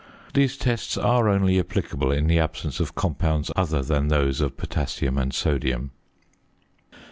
These tests are only applicable in the absence of compounds other than those of potassium and sodium.